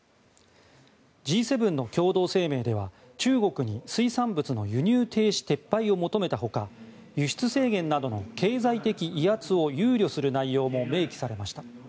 Ｇ７の共同声明では中国に水産物の輸入停止撤廃を求めた他輸出制限などの経済的威圧を憂慮する内容も明記されました。